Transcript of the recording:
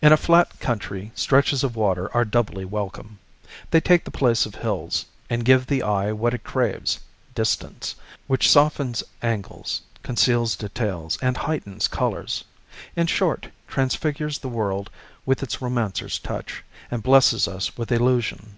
In a flat country stretches of water are doubly welcome. They take the place of hills, and give the eye what it craves, distance; which softens angles, conceals details, and heightens colors, in short, transfigures the world with its romancer's touch, and blesses us with illusion.